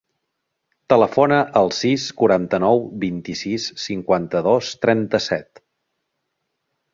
Telefona al sis, quaranta-nou, vint-i-sis, cinquanta-dos, trenta-set.